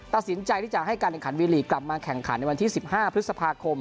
ตัดสินใจที่จะให้การแข่งขันวีลีกกลับมาแข่งขันในวันที่๑๕พฤษภาคม